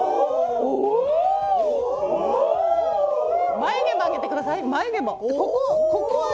眉毛も上げてください。